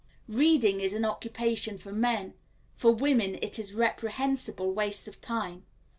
Reading is an occupation for men; for women it is reprehensible waste of time.